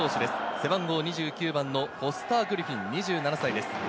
背番号２９番のフォスター・グリフィン、２７歳です。